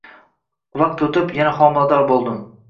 Vaqt o`tib, yana homilador bo`ldim